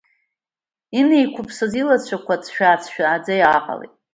Инеиқәыԥсаз илацәақәа ҵшәаа-ҵшәааӡа иааҟалеит.